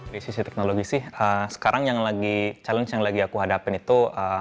dari sisi teknologi sih sekarang yang lagi challenge yang lagi aku hadapin itu